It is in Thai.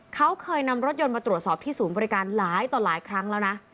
เขาเคยนำรถยนต์มาตรวจสอบที่ศูนย์บริการหลายต่อหลายครั้งแล้วนะ